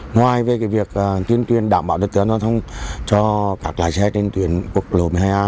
ngoài việc tuyên tuyên đảm bảo trật tự an toàn giao thông cho các lái xe trên tuyến quốc lộ một mươi hai a